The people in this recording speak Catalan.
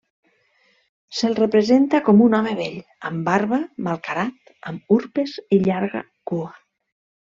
Se'l representa com un home vell, amb barba, malcarat, amb urpes i llarga cua.